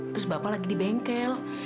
terus bapak lagi di bengkel